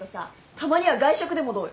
たまには外食でもどう？